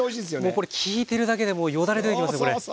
もうこれ聞いてるだけでもうよだれ出てきますよこれ。